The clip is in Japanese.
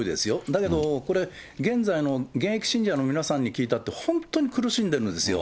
だけど、これ、現在の現役信者の皆さんに聞いたって、本当に苦しんでるんですよ。